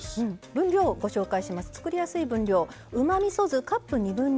分量をご紹介します。